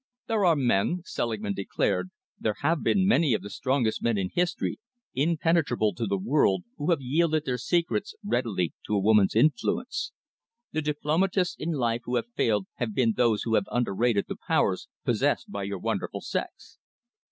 "There are men," Selingman declared, "there have been many of the strongest men in history, impenetrable to the world, who have yielded their secrets readily to a woman's influence. The diplomatists in life who have failed have been those who have underrated the powers possessed by your wonderful sex."